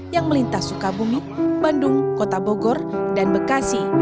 yang melintas sukabumi bandung kota bogor dan bekasi